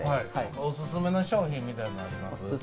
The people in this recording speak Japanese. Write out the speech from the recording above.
オススメの商品みたいなのあります？